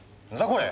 これ。